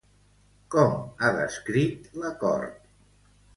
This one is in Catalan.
Com ha descrit l'acord?